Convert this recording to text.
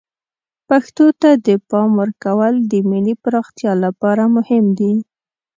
پښتو ته د پام ورکول د ملی پراختیا لپاره مهم دی.